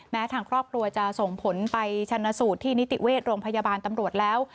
ทางครอบครัวจะส่งผลไปชนะสูตรที่นิติเวชโรงพยาบาลตำรวจแล้ว